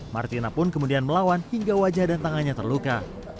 martina pun kemudian melawan hingga wajah dan tangannya terluka